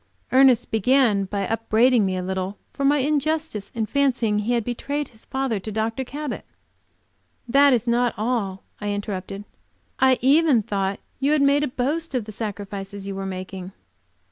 Ernest began by upbraiding me a little for my injustice in fancying he had betrayed his father to Dr. Cabot. "That is not all," I interrupted, "I even thought you had made a boast of the sacrifices you were making."